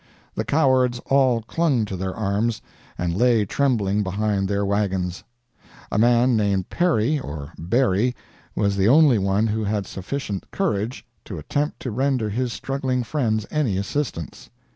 The cowards all clung to their arms, and lay trembling behind their wagons. A man named Perry, or Berry, was the only one who had sufficient courage to attempt to render his struggling friends any assistance.